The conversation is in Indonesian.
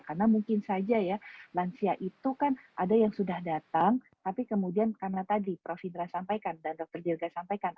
karena mungkin saja lansia itu kan ada yang sudah datang tapi kemudian karena tadi prof indra sampaikan dan dr dielga sampaikan